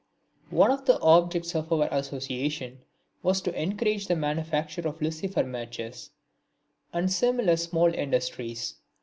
One of the objects of our association was to encourage the manufacture of lucifer matches, and similar small industries.